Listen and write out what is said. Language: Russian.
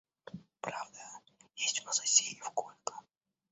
Правда, есть у нас Асеев Колька.